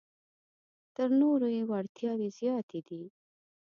تر نورو یې وړتیاوې زیاتې دي.